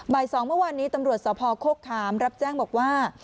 บ่าย๒เมื่อวันนี้ตำรวจสอบภอคโฆษ์ขามรับแจ้งบอกว่า